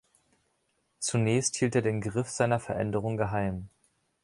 Zunächst hielt er den Griff seiner Veränderung geheim.